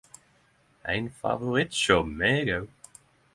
Ein favoritt hjå meg og!